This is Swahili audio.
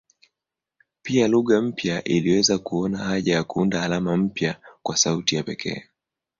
Pia lugha mpya iliweza kuona haja ya kuunda alama mpya kwa sauti ya pekee.